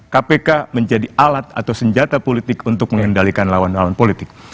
kpk menjadi alat atau senjata politik untuk mengendalikan lawan lawan politik